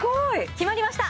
決まりました！